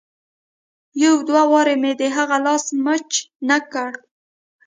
يو دوه وارې مې د هغه لاس مچ نه کړ.